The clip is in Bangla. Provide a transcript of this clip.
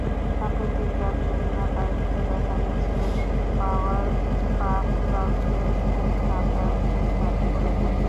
সম্প্রতি ক্যাটরিনা কাইফকে দেখা গেছে পাওয়ার পাফ গার্লসের ফুলহাতা টি-শার্ট পরে ঘুরতে।